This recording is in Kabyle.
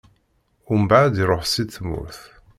Mbeɛd iṛuḥ si tmurt.